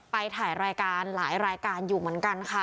ไปถ่ายรายการหลายรายการอยู่เหมือนกันค่ะ